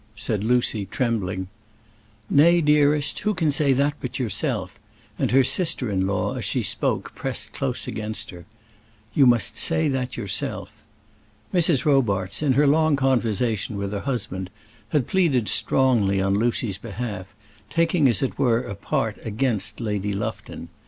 said Lucy, trembling. "Nay, dearest; who can say that but yourself?" and her sister in law, as she spoke, pressed close against her. "You must say that yourself." Mrs. Robarts in her long conversation with her husband had pleaded strongly on Lucy's behalf, taking, as it were, a part against Lady Lufton.